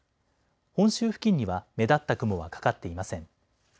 本州付近には目立った雲はかかっていません。